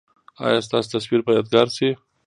ایا ستاسو تصویر به یادګار شي؟